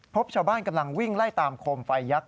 พบชาวบ้านกำลังวิ่งไล่ตามโคมไฟยักษ